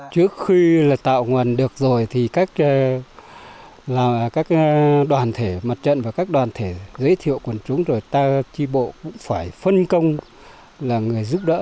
trước khi là tạo nguồn được rồi thì các đoàn thể mặt trận và các đoàn thể giới thiệu quần chúng rồi ta tri bộ cũng phải phân công là người giúp đỡ